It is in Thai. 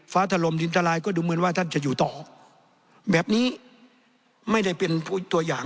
ถล่มดินทรายก็ดูเหมือนว่าท่านจะอยู่ต่อแบบนี้ไม่ได้เป็นผู้ตัวอย่าง